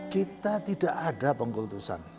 kita tidak ada pengkultusan